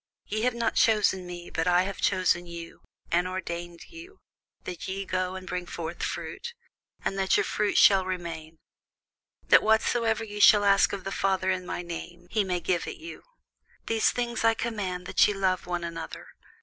Ye have not chosen me, but I have chosen you, and ordained you, that ye should go and bring forth fruit, and that your fruit should remain: that whatsoever ye shall ask of the Father in my name, he may give it you. These things I command you, that ye love one another.